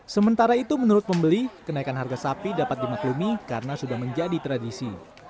sementara itu menurut pembeli kenaikan harga sapi dapat dimaklumi karena sudah menjadi tradisi